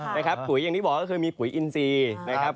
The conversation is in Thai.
ปุ๋ยอย่างที่บอกก็คือมีปุ๋ยอินซีนะครับ